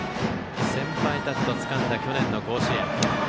先輩たちとつかんだ去年の甲子園。